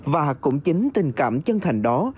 và cũng chính tình cảm chân thành đó